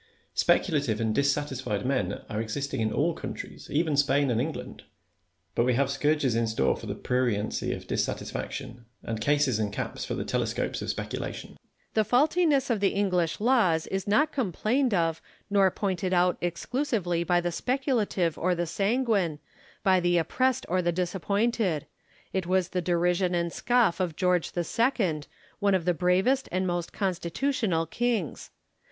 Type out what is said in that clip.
Speculative and dissatisfied men are existing in all countries, even in Spain and England ; but we have scourges in store for the pruriency of dissatisfaction, and cases and caps for the telescopes of speculation. Lacy. The faultiness of the English laws is not com plained of nor pointed out exclusively by the speculative or the sanguine, by the oppressed or the disappointed ; it was the derision and scofi" of George the Second, one of the bravest and most constitutional kings.